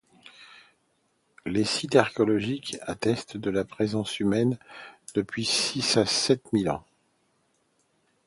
Les sites archéologiques attestent de la présence humaine depuis six à sept mille ans.